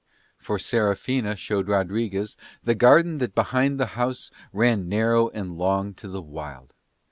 For Serafina showed Rodriguez the garden that behind the house ran narrow and long to the wild.